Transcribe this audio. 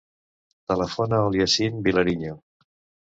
Telefona al Yassin Vilariño.